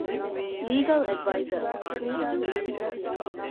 ލީގަލް އެޑްވައިޒަރ